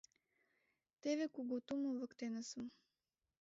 Теве кугу тумо воктенысым.